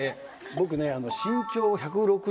僕ね。